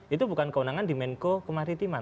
itu bukan keunangan di menko kemah ritiman